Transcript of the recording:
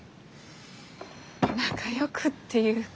仲よくっていうか。